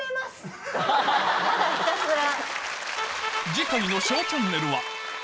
ただひたすら。